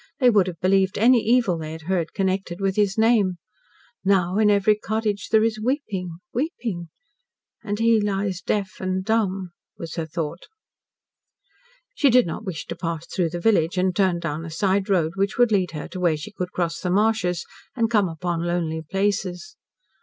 They would have believed any evil they had heard connected with his name. Now, in every cottage, there is weeping weeping. And he lies deaf and dumb," was her thought. She did not wish to pass through the village, and turned down a side road, which would lead her to where she could cross the marshes, and come upon lonely places.